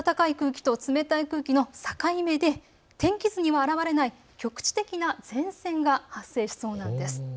そのため暖かい空気と冷たい空気の境目で天気図には表れない局地的な前線が発生しそうです。